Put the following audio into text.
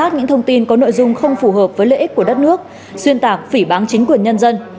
những thông tin có nội dung không phù hợp với lợi ích của đất nước xuyên tạc phỉ bán chính quyền nhân dân